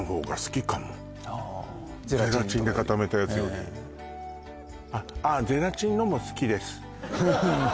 私ゼラチンで固めたやつよりああゼラチンのも好きです